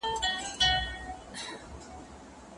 خپل عورت مو له نورو څخه خوندي کړئ.